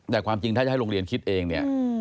แต่ความจริงถ้าจะให้โรงเรียนคิดเองเนี่ย